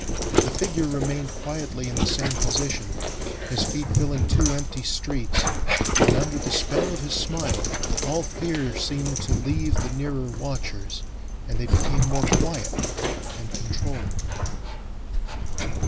The figure remained quietly in the same position, his feet filling two empty streets, and under the spell of his smile all fear seemed to leave the nearer watchers, and they became more quiet and controlled.